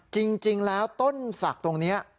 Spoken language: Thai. จริงแล้วต้นศักดิ์ตรงนี้